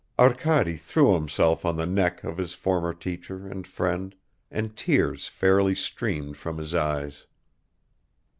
Arkady threw himself on the neck of his former teacher and friend, and tears fairly streamed from his eyes.